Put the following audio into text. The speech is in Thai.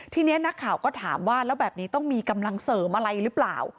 ทีนี้นักข่าวก็ถามว่าแล้วแบบนี้ต้องมีกำลังเสริมอะไรหรือเปล่า